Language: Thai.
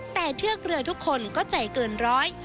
แต่เทือกเรือทุกคนก็ใจเกินร้อย